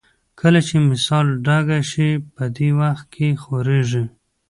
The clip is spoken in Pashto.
کله چې مثانه ډکه شي په دې وخت کې خوږېږي.